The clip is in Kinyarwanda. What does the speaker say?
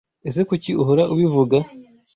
Ese kuki Uhora ubivuga